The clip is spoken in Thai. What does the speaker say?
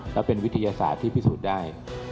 แล้วเป็นวิทยาศาสตร์ที่พิสูจน์ได้